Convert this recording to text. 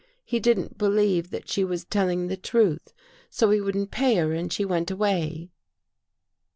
He didn't believe that she was telling the truth, so he wouldn't pay her and she went away."